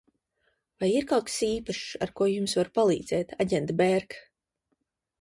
Vai ir kaut kas īpašs, ar ko varu jums palīdzēt, aģent Bērk?